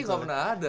iya gak pernah ada